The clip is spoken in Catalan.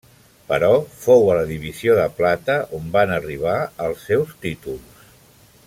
Però fou a la divisió de plata on van arribar els seus títols.